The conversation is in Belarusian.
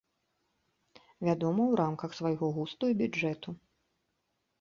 Вядома, у рамках свайго густу і бюджэту.